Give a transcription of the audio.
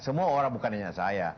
semua orang bukan hanya saya